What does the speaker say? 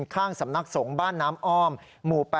ข้างสำนักสงฆ์บ้านน้ำอ้อมหมู่๘